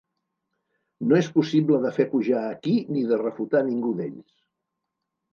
No és possible de fer pujar aquí ni de refutar ningú d'ells